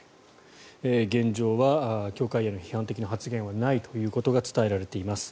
現状は教会への批判的な発言はないということが伝えられています。